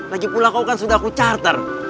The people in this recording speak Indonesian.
lagi pula kau kan sudah aku charter